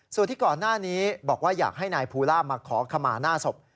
ส่วนที่ก่อนหน้านี้บอกว่าอยากให้นายภูล่ามาขอขมาหน้าศพ